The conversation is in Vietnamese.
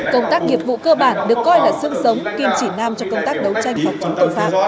công tác nghiệp vụ cơ bản được coi là sức sống kiêm chỉ nam cho công tác đấu tranh phòng ngừa đấu tranh tội phạm